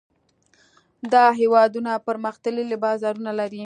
دا هېوادونه پرمختللي بازارونه لري.